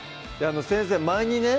先生前にね